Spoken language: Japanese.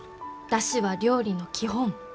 出汁は料理の基本。